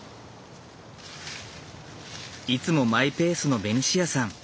いつもマイペースのベニシアさん。